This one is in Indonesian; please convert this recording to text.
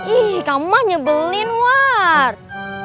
ih kamu mah nyebelin ward